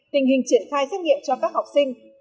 tình hình triển khai xét nghiệm cho các học sinh